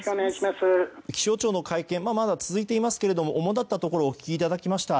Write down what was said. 気象庁の会見まだ続いていますけれども主だったところをお聞きいただきました。